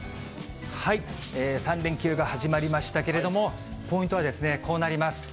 ３連休が始まりましたけれども、ポイントはこうなります。